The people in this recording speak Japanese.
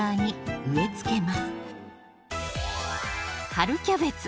春キャベツ